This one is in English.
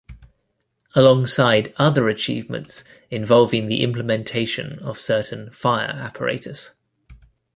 Alongside other achievements involving the implementation of certain fire apparatus.